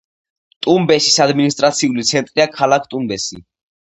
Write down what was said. ტუმბესის ადმინისტრაციული ცენტრია ქალაქი ტუმბესი.